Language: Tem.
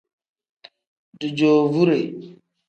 Dijoovure.